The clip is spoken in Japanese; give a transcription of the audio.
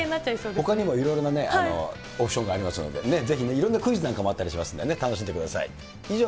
ほかにもいろいろなオプションがありますので、いろいろなクイズなんかもありますので、ぜひ楽しんでください。